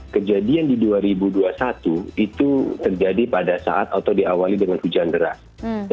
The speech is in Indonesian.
kejadian di dua ribu dua puluh satu itu terjadi pada saat atau diawali dengan hujan deras